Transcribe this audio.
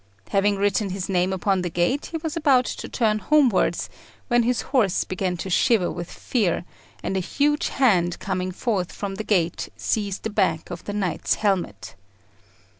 Having written his name upon the gate, he was about to turn homewards when his horse began to shiver with fear, and a huge hand coming forth from the gate seized the back of the knight's helmet.